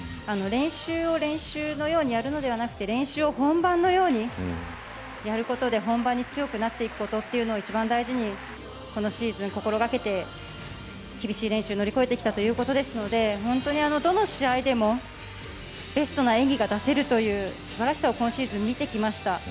練習を練習のようにやるのではなくて練習を本番のようにやることで本番に強くなっていくことというのを一番大事に、このシーズン心がけて厳しい練習を乗り越えてきたということですのでどの試合でもベストな演技が出せるという素晴らしさを今シーズン見てきました。